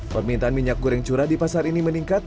permintaan minyak goreng curah di pasar ini meningkat